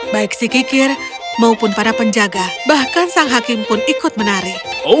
baik si kikir maupun para penjaga bahkan sang hakim pun ikut menari